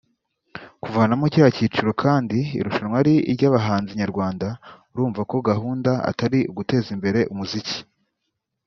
kuvanamo kiriya cyiciro kandi irushanwa ari iry’abahanzi nyarwanda urumva ko gahunda atari uguteza imbere umuziki